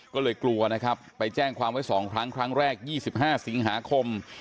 ก็เลยกลัวนะครับไปแจ้งความไว้๒ครั้งครั้งแรก๒๕สิงหาคม